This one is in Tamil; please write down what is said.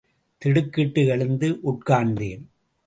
திடுக்கிட்டு எழுந்து உட்கார்ந்தேன்.